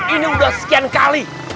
ini udah sekian kali